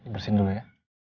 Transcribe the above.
bersihin dulu ya